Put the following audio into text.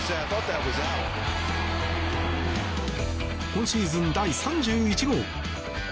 今シーズン第３１号。